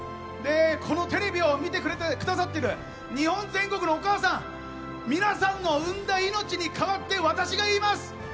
このテレビを見てくださっている日本全国のお母さん皆さんの生んだ命に代わって私が言います！